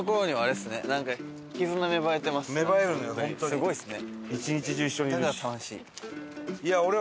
すごいっすね。